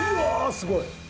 すごい！